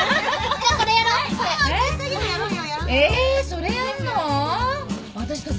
それやんの？